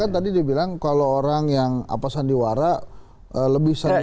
kan tadi dia bilang kalau orang yang apa sandiwara lebih sandiwara